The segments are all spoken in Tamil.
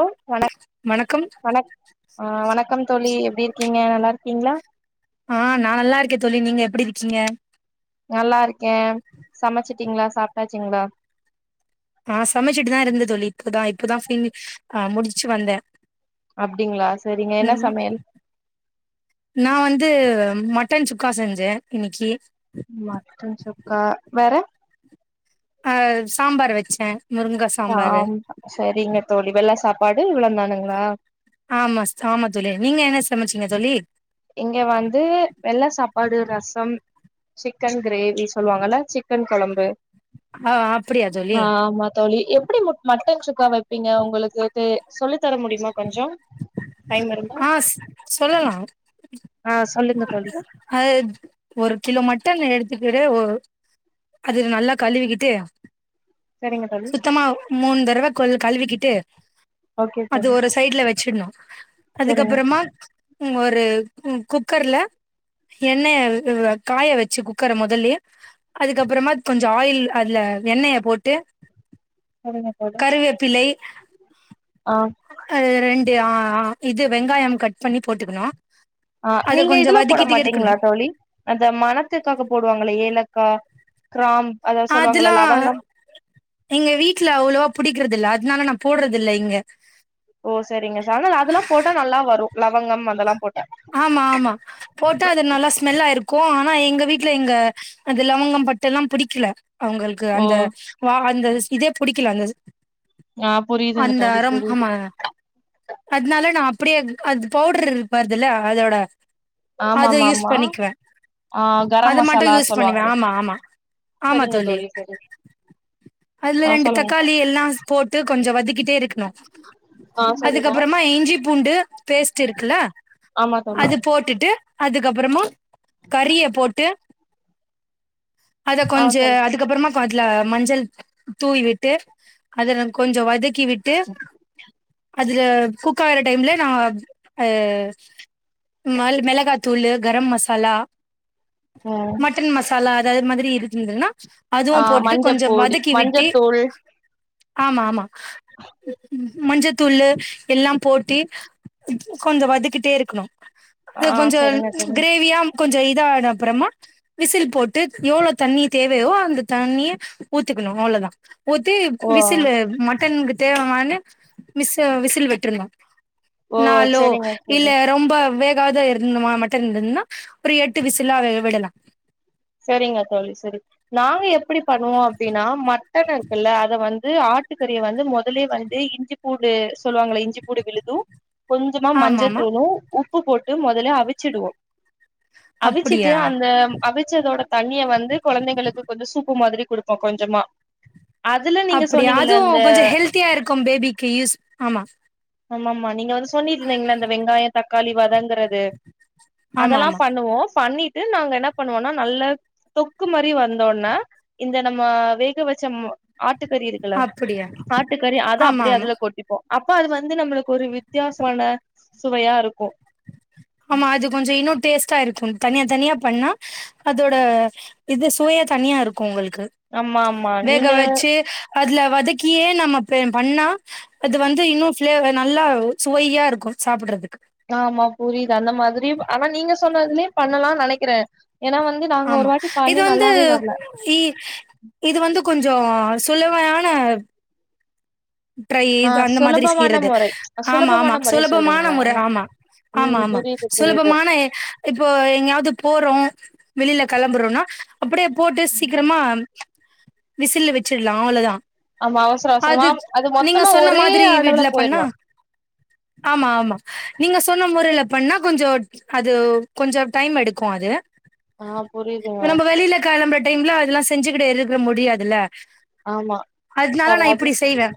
ஹல வண வணக்கம் வண வணக்கம் தோழி எப்டி இருக்கீங்க நல்லா இருக்கீங்களா ஆ நா நல்லா இருக்கே தோழி நீங்க எப்டி இருக்கீங்க நல்லா இருக்கே சமச்சுட் கிங்களா சாப்ட்டாச்சிங்களா ஆ சமைச்சிட்டுதா இருந்த தோல்லி இப்பதா இப்பதா ஃபீஆ முடிச்சுட்டு வந்தே அப்டிங்களா சரிங்க உ என்ன சமையல் நா வந்து உ மட்டன் சுக்கா செஞ்சே இன்னைக்கி மட்டன் சுக்கா வேற ஆ சாம்பார் வச்சே முருங்கா சாம்பாரு ஆம் சரிங்க தோழி வெல்லா சாப் பாடு இவ்ளம்ந்தானுங்களா ஆமாஸ்ட் ஆமா தோலி நீங்க என்ன சமச்சீங்க தோலி இங்க வந்து வெள்ள சாப் ப்பாடு ரசம் சிக்கன் கிரேவி சொல்லுவாங்கல்ல சிக்கன் கொழம்பு ஆ அப்டியா தோழி ஆ ஆமா தோளி எப்டி மு மட்ட சு க்கா வைப்பீங்க உங்களுக்கு து சொல்லி தர முடியுமா கொஞ்சோ டைம் இருந்தா ஆ சொல்லலா ஆ சொல்லுங்க தோழி ஆ ஒருக் கிலோ மட்டன் எடுத்துக்கிட்டு ஒ அது நல்லா கழுவிக்கிட்டு சரிங்க தோழி சுத்தமா மூனு தரவ கொஞ்ச கழுவிக்கிட்டு ஓகே அது தோழி ஒரு சைட்ல வ னு சரிங்க அதுக்கப்புறமா ஒரு ஆ கு குக்கர்ல எண்ணய அ காய வச்சு குக்கர முதல்லயே அதுக்கப்புறமா கொஞ்ச ஆயில் அதுல எண்ணய போட்டு சரிங்க தோழி கருவேப்பிலை ஆ இது ஆ அ வெங்காயம் கட் பண்ணி போட்டுக்கணு அ அத நீங்க கொஞ்சோ இதெல்லா போட வதக்கிட்டே இருக்கணு மாட்டீங்களா தோழி அந்த மணத்துக்காக போடுவாங்கள ஏலக்கா கிராம் அத சொல்லுவாங்கள அதெல்லா லவங்கம் எங்க வீட்ல அவ்ளோவா புடிக்கரதில்ல இதனால நா போடறது இல்ல இங்க ஓ சரிங்க சா அதெல்லா போட்டா நல்லா வரு லவங்கம் அதெல்லா போட் ஆமா ஆமா போட்டா அது நல்லா ஸ்மெல்ல இருக்கு ஆ நா எங்க வீட்ல எங்க அந்த லவங்கம் பட்டல்லா புடிக்கல அவுங்களுக்கு ஓ அந்த வா அந்த இதே புடிக்கலா அந்த ஆ புரியுதுங்க அந்த தோழி அறம் புரியுது ஆமா அதனால நா இப்பிடியே அது அது பவுடர் இரு பாரு இதல்ல அததோட அத யூஸ் ஆமாமாமா பண்ணிக்குவே ஆ கரம் அத மட்டு மசாலா யூஸ் பண்ணுவே சொல்லுவாங்களே ஆமா ஆமா ஆமா சரிங்க தோழி சரி அதுல ஆ ரெண்டு சொல்லுங்க தக்காளி எல்லா போட்டு கொஞ்ச வதக்கிட்டே இருக்கணு ஆ சரிங்க அதுக்கப்புறமா இஞ்சி பூண்டு பேசட்டு இருக்குல ஆமா தோழி அது போட்டுட்டு அதுக்கப்புறமா கறிய போட்டு அத ஆ கொஞ்ச சொல்லுங்க அதுக்கப்புறமா ப்பு அதுல மஞ்சள் தூவி விட்டு அத நம் கொஞ்ச வதக் க்கி விட்டு அதுல குக்காற டைம்ல நா அ மல் மிளகாத்தூளு கர மசாலா ம் மட்டன் மசாலா த அது மாதிரி இருத்துந்துகான ஆ மஞ்சப்போடி மஞ்சத்தூள் ஆமா ஆமா மஞ்சத்தூளு எல்லா போட்டி கொஞ்ச வதக்கிட் டே இருக்கணு ஆ இது கொஞ்ச சரிங்க தோழி கிரேவியாம் கொஞ்ச இதான அப்புறமா விசில் போட்டு எவ்ளோ தண்ணி தேவையோ அந்த தண்ணிய ஊத்திக்கணு அவ்ளதா ஊத்தி ஓ விசிலு மட்டன்க் தேவமானு விசு விசில் விட்ரனு ஓ செரிங்க இல்ல ரொம்ப வேக் காது இருந்தனா மா மட்டுந்தா இருதுன்னா ஒரு எட்டு விசிலா வேவிடலா செரிங்க தோழி செரி நாங்க எப்டி பண்ணுவோ அப்டின்னா மட் ட்டத இருக்குல்ல அத வந் ந்து ஆட்டுக்கறிய வந்து முதலே வந்து இஞ்சிப்பூண்டு சொல்லுவாங்கள இஞ்சிப்படு விழுது கொஞ்சமா ஆமா மஞ்ச ஆமா தூளு உப்பு உப்பு போட்டு முதல்ல அவிச்சிடுவோ அவிச்சிட்டு அப்டியா அந்த அவி குட தண்ணிய வந்து கொழந்தைகளுக்கு கொஞ்ச சூப் உப்பு மாதிரி குடுப்போ கொஞ்சமா அதுல நீங்க அப்டி சொன்னீங்கல்ல இந்த அதும் கொஞ்ச ஹெல்த்தியா இருக்கு பேபிக்கு யூஸ் ஆமா ஆமா ஆமா நீங்க வந்து ஸ் சொன்னிட்ருந்தீங்கள அந்த வெங்காய தக் கழிவதங்கறது ஆமா அதெல்லா ஆமா பண்ணுவோ ஃபண்ணிட் ட்டு நாங்க என்ன பண்ணுவம்னா நல்ல தொக்கு மாரி வந்தோன இந்த நம்ம வேக வச்ச ஆட்னா ஆட்டுக்கறி இருக்குல்ல அப்டியா ஆட்டுக்கறி அத ஆமா அப்டியே ஆமா அதுல கொட்டிப்போ அப்போ அது வந்து நம்மளுக்கு ஒரு வித்தியாசமான சுவையா இருக்கு ஆமா அது கொஞ்ச இன்னொட் டேஸ்ட்டா இருக்கு தனியா தனியா பண்ணா அதோட இது சுவையா தனியா இருக்கு உங்களுக் க்கு ஆமா ஆமா வேக நீங்க வச்சு அதுல வதக்கியே நம்மப் பெ பண்ணா அது வந்து இன்னு ஃப்ளே நல்லா சுவையா இருக்கு சாப்பிடறதுக்கு ஆமா ப் புரியுது அந்த மாதிரி ஆனா நீங்க சொ சொன்னதுலயே பண்ணலான் நெனைக்கிறே ஏன்னா வந்து நாங்க ஒரு ஆமா வாட்டி இது பண்ணி வந்து நல்லாவே வரல இ இது வந்து கொஞ்ச சுலமையான டிரை ஆ அந்த மாதிரி சுலபமான செய்யறது முறை ஆமா ஆமா சுலபமான முறைய சுலபமான சொல்றீங்களா முறை ஆமா ஆமா ம் ஆமா புரியுது புரியுது சுலபமான இப்போ எங்கயாது போறோ வெளியில கெளம்புறோனா அ அப்டியே போட்டு சீக்கிரமா விசில் வெச்சிர்லா அவ்ளோதா ஆமா அவசர அவசரமாம் அது நீங்க மொத்தமா சொன்ன ஒரே மாதிரி அளவுல இதுல பண்ணா போயிரலா ஆமா ஆமா நீங்க சொன்ன மொறைல பண்ணா கொஞ்ச அது கொஞ்ச டைம் எடுக்கு அது ஆ புரியுதுங்க நம்ப வெளியிலக்கெளம்பிட் டைம்ல அதெல்லா செஞ்சுகிட்டு இருக்க முடியாது ல ஆமா சராது செய்வே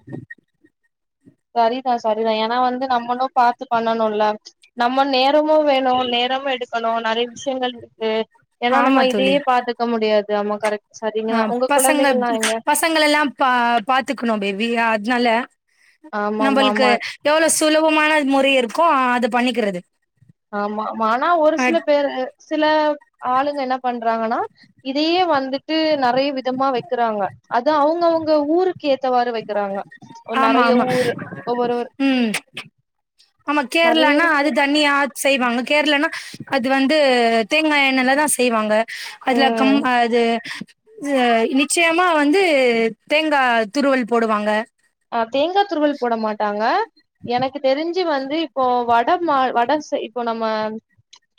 சரிதா சரிதா ஏன்னா வந்து நம்மளு பாத்து பண்ணணுல நம்ம நேரமு வேணு நேரமு எடுக்கணு நெறைய விஷயங்கள் இருக்கு ஏன்னா நம்ம ஆமா தோழி இதையே பாத்துக்க முடியாது இது ஆமா கரெக்ட் ஆ சரிங்களா உங்க பசங்க குழந்தைகள்லா எங்க பசங்கலெல்லா பா பாத்துக்கணு பேபி அது ஜால ஆமா ஆமா நம்பளுக்கு ஆமா எவ்ளோ சு சுலபமான முறை இருக்கு அ அது பண்ணிக்கிறது ஆமா மா ஆனா ஒரு சில அட் பேரு சில ஆளுங்க என்ன பண் ற்றங்கன்னா இதையே வந்துட் இது நெறைய விதமா வக் க்கிறாங்க அத அவங்கவுங்க ஊருக்கு ஏத்தவாறு வக்கிறாங்க ஆமா ஆமா ம் ஆமா நெறைய கேரளானா அது தன்னியா அத் செய்வாங்க கேரளனா அது வந்து தேங்கா எண்ணெல தா செய்வாங்க அதுல ம் கம் அது இது நிச்சயமா வந்து தேங்கா துருவல் போடுவாங்க அ தேங்கா துருவல் போட மாட்டாங்க எனக்கு தெரிஞ்சு வந்து இப்போ வட மா வட செய் இப்போ நம்ம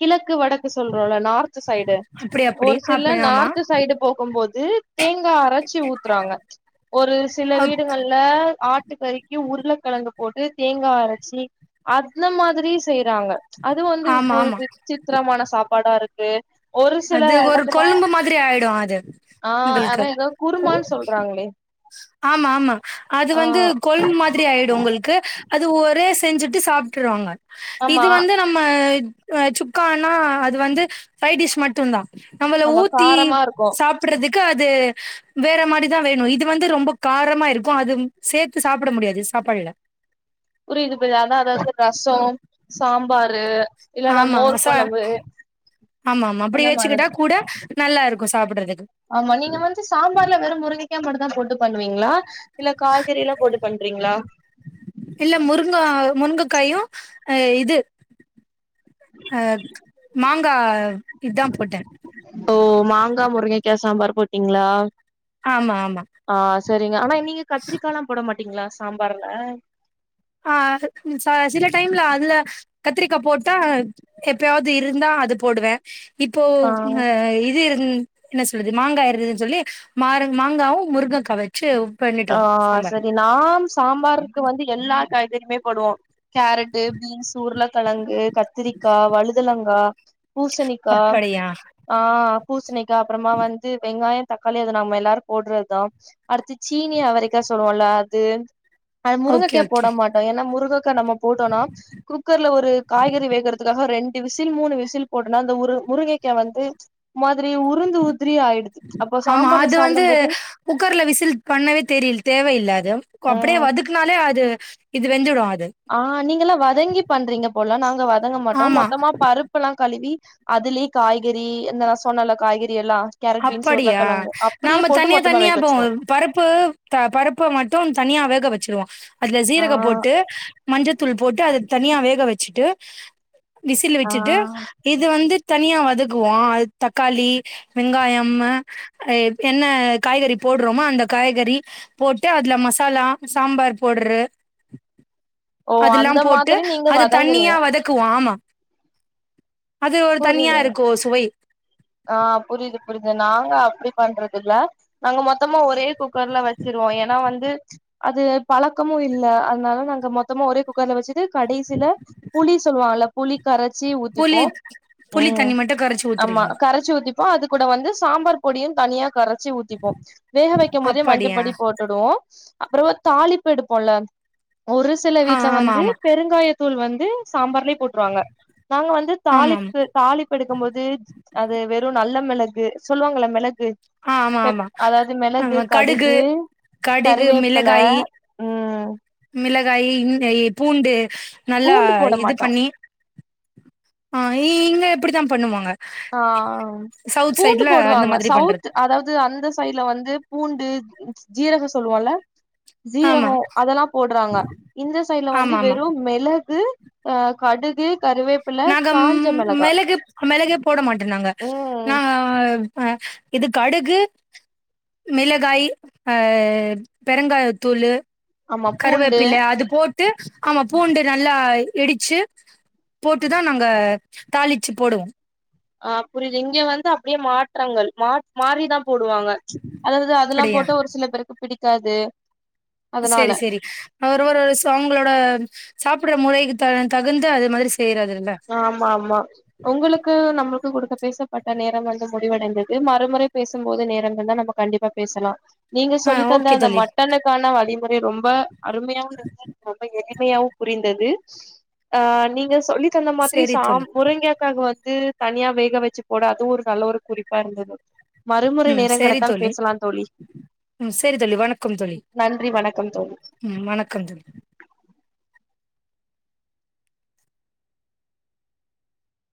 கிழக்கு வடக் சொல்றோம்ல நார்த் சைடு அப்டி அப்டி ஒரு சில அப்டி ஆமா நார்த் சைடு போகுபோது து தேங்கா அரச்சு ஊத்துறாங்க ஒரு சில அ வீடுகள் ஆ ஆட்டு கறிக்கு உருளக்கெழங்கு போட்டு தேங்கா அரச்சி அந்த மாதிரியு செய்றாங்க அது வந்து ஆமா ஒரு ஆமா விசித்திரமான சா ப்பாடா இருக்கு ஒரு சில அது ஒரு எடத்துல கொழம்பு மாதிரி ஆயிடு அது ஆ அதா உங்களுக்கு ஏதோ குருமான்னு சொல்றாங்களே ஆமா ஆமா அது ஆ வந்து கொழ்ம் மாதிரி ஆயிடு உங்களுக்கு அது ஒரே செஞ்சுட்டு சாப்ட்டுருவாங்க இது ஆமா வந்து நம்ம ஆ சுக்கான்னா அது வந்து சைட் டிஷ் மட் டுந்தா நம்மள ஆமா ஊத்தி காரமா இருக்கு சாப்பிடறது க்கு அது வேற மாரிதா வேணு இது வந்து ரொம்ப காரமா இருக்கு அது சேத்து சாப்பட முடியாது சாப்பாடுல புரியுது புரியுது அதா அதா இது ரசோ சாம்பாரு இல்லன்னா மோர் கொழம்பு ஆமா ஆமா அப்பிடி அந்த மாதிரி வச்சுக்கிட்டா கூட நல்லா இருக்கு சாப்பிடுறதுக்கு ஆமா நீங்க வந்து சாம்பார்ல வெறு முருங்கைக்கா மட்டுந்தா போட்டு பண்ணுவீங்களா இல்ல காய்கறி எல்லா போட்டு பண்றீங்களா ங்கா முருங்கக்காயு ஆ இது ஆ மாங்கா இதா போட்டே ஓ மாங்கா முருங்கைக்கா சாம்பார் போட்டீங்களா ஆ சரிங்க ஆனா நீங்க கத்திரிக்காலா போட மாட் டீங்களா சாம்பார்ல ஆ அது ம் ச சில டைம்ல அதுல கத்திரிக்கா போட்டா எப்பயாவது இருந்தா அது போடுவே இப்போ ஆ இது இருந் என்ன சொல்றது மாங்கா இருந்துதுன்னு சொல்லி மார மாங்காவு முருங்கக்கா வ ஆ சரி நாம் சாம்பாருக்கு வந்து எல்லா காய்கறிமே போடுவோ கேரட்டு பீன்ஸ் உருளக்கெழங்கு கத்திரிக்கா வழுதலங்கா பூசணிக்கா அப்படியா ஆ பூசணி க்கா அப்புறமா வந்து வெங்காய தக்காளி அத நம்ம எல்லாரு போட்றதுதா அடுத்து சீனி அவரைக்கா சொல்லுவோல்ல அது அது ஓகே முருங்கக்கே போட ஓகே மாட்டோ ஏனா முருக க்கா நம்ம போட்டோன்னா குக்கர்ல ஒரு காய்கறி வேகுறதுக்காக ரெண்டு விசில் மூணு விசில் போட்டொனா அந்த உரு முருகைக்கா வந்து மா திரி உருந்து உதிரி ஆயிடுது அப்போ ஆமா சாம்பார்ல அது சாப்படும்போது தெரியில் தேவையில்ல அது அப்டியே வதக்குனாலே அது இது வெந்துடு அது ஆ நீங்கல்லா வதங்கி பண்றீங்க போல நாங்க வதங்க மாட்டோ ஆமா மொத்தமா பருப்புல்லா கழுவி அதுலே காய் கேரட் பீன்ஸ் அப்படியா உருளக்கெழங்கு அப்டியே நாம போட்டு தனியா மொத்தமா தனியா வேக போவொ வச்சிருவோ பருப்பு த பருப்ப மட்டு தனியா வேக வச்சுருவோ அதுல சீரகப் ஆ போட்டு மஞ்சத்தூள் போட்டு அத தனியா வேக வச்சுட்டு விசில் ஆ விட்டுட்டு இது வந்து தனியா வதக்கு வோ அது தக்காளி வெங்காயம்மு என்ன காய்கறி போட்றோமோ அந்த காய்கறி போட்டு அதுல மாசாலா சம்பார் போட்று ஓ அந்த அதுல்லாம் போட்டு மாதிரி நீங்க அத வதங்குறீங்க தண்ணியா வதக்குவோ ஆமா அது ஒரு புரியுது தனியா இரு [unintelligible] ஆ புரிது புரிது நாங்க அப்டி பண்றதில்ல நாங்க மொத்தமா ஒரே குக்கர்ல வச்சுருவோ ஏனா வந்து அது பழக்கமு இல்ல அதுனால நாங்க மொத்தமா ஒரே குக்கர்ல வச்சுட்டு கடைசில புளி சொல்லுவாங்ல புளி கரச்சி புளி ஊத்திப்போ புளி ம் தண்ணி மட்டு கரச்சு ஆமா ஊத்துருவிங்க கரச்சி ஊத்திப்போ அது கூட வந்து சாம்பார் பொடியு தனியா கர ச்சி ஊத்திப்போ வேக வைக்கம் போதே அப்படியா மஞ்சப்பொடி போட்டுடுவோ அப்பெறவு தாளிப்பு எடுப்போல்ல ஒரு சில ஆ வீட்ல ஆமா வந்து ஆமா பெருங்காய தூள் வந் து சாம்பார்லே போட்ருவாங்க நாங்க வந்து ஆமா ஆமா தாளிப்பு தாளிப்பு எடுக்கும்போது அது வெறு நல்ல மெளகு சொல்வாங்கல மெள அ ஆமாமா ஆமா கடுகு கடுகு கருவேப்பில மிளகாயி ம் மிள காயி இங்கயி பூண்டு நல்லா பூண்டு போட இது மாட்டோ பண்ணி ஆ இ இங்க இப்பிடிதா பண்ணுவாங்க ஆ சவுத் பூண்டு சைட்ல அந்த போடுவாங்க மாதிரி பண்றது சவுத் அதாவது அந்த சைடு்ல வந்து பூண்டு ஜீரகோ சொல்வோல்ல ஆமா ஜீரகோ அதெல்லா போட்றாங்க இந்த சைடுல வந்து ஆமா ஆமா வெறு மிளகு ஆ கடுகு கருவேப்பில நாங்க காஞ்ச ம் மிளகா மெளகு மெளகே போடமாட் ட நாங்க ம் நாங்க ஆ இது கடுகு மிளகாய் ஆ பெருங்காயத்தூளு ஆமா பூண்டு கருவேப்பில அது போட் டு ஆமா பூண்டு நல்லா இடிச்சு போட்டுதா நாங்க தாளிச்சு போடுவோ ஆ புரியுது இங்க வந்து அப்டியே மாற்றங்கள் மாற் மாரிதா போடுவாங்க அதாவது அதெல்லா அப்படியா போட்டா ஒரு சில பேருக்கு பிடிக் காது செரி செரி ஒரு ஒரு சோ அவங்களோட சாப் புடற முறைக்கு த தகுந்த அது மாதிரி செய்யறதுல்ல ஆமா ஆமா உங்களுக்கு நம க்கு குடுத்த பேசப்பட்ட நேரோ வந்து முடிவடைந்தது மறுமுறை பேசும் போது நேரங்கள்ல நம்ம கண்டிப்பா பேசலா நீங்க ஆ சொல்லித் தந்த ஓகே அந்த தோழி மட்டனுக்கான வழிமுறை ரொம்ப அருமையா இருந்தது ரொம்ப எளிமையாவு புரிந்தது ஆ நீங்க சொல்லி த்தந்த மாதிரி சரி சா தோழி முரங்கைக்காவுக்கு வந் து தனியா வேக வச்சு போட அதுவு ஒரு நல்ல ஒரு குறிப்பா இருந்தது மறுமுறை ம் நேரோ சரி கிடைத்தால் தோழி பேசலாந் தோழி ம் சரி தோழி வணக்கம் தோழி நன்றி வணக்கம் தோழி ம் வணக்கம் தோழி